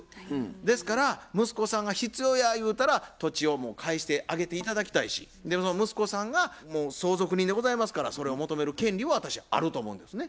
ですから息子さんが「必要や」言うたら土地をもう返してあげて頂きたいしその息子さんがもう相続人でございますからそれを求める権利は私あると思うんですね。